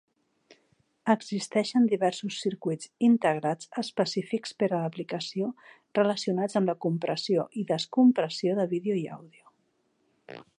Existeixen diversos circuits integrats específics per a l'aplicació relacionats amb la compressió i descompressió de vídeo i àudio.